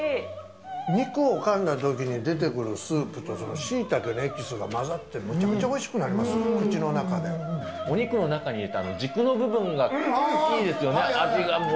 肉をかんだときに出てくるスープとしいたけのエキスが混ざって、めちゃくちゃおいしくなりまお肉の中にいれた軸の部分がいいですよね、味がもう。